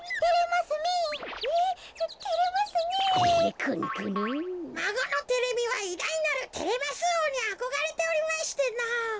まごのテレミはいだいなるテレマスおうにあこがれておりましてのぉ。